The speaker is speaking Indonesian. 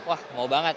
wah mau banget